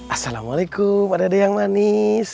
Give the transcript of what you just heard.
assalamualaikum ada yang manis